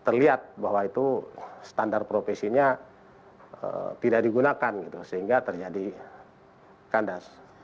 terlihat bahwa itu standar profesinya tidak digunakan sehingga terjadi kandas